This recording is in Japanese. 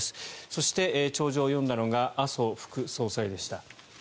そして、弔辞を読んだのが麻生副総裁でした。